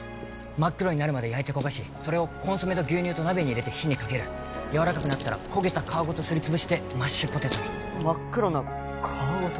真っ黒になるまで焼いて焦がしそれをコンソメと牛乳と鍋に入れて火にかけるやわらかくなったら焦げた皮ごとすりつぶしてマッシュポテトに真っ黒な皮ごと？